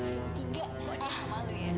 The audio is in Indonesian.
buat yang malu ya